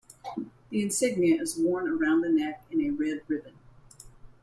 The insignia is worn around the neck in a red ribbon.